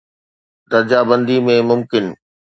درجه بندي ۾ ممڪن